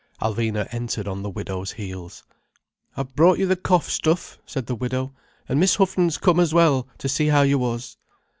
Alvina entered on the widow's heels. "I've brought you the cough stuff," said the widow. "And Miss Huff'n's come as well, to see how you was."